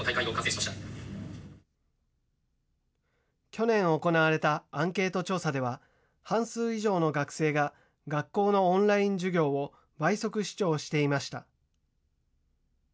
去年行われたアンケート調査では、半数以上の学生が、学校のオンライン授業を倍速視聴していました。